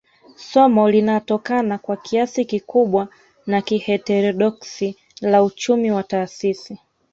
Somo linatokana kwa kiasi kikubwa na kiheterodoksi la uchumi wa taasisi